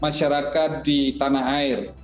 masyarakat di tanah air